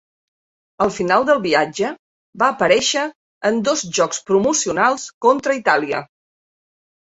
Al final del viatge va aparèixer en dos jocs promocionals contra Itàlia.